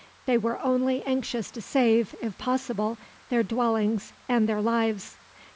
They were only anxious to save, if possible, their dwellings and their lives.